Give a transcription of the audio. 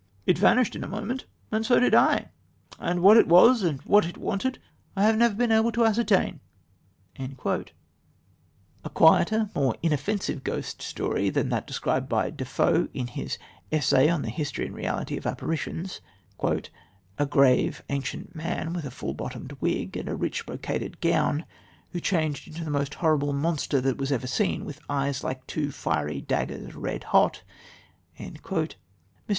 It vanished in a moment, and so did I, and what it was and what it wanted, I have never been able to ascertain" a quieter, more inoffensive ghost than that described by Defoe in his Essay on the History and Reality of Apparitions: "A grave, ancient man, with a full bottomed wig and a rich brocaded gown, who changed into the most horrible monster that ever was seen, with eyes like two fiery daggers red hot." Mr.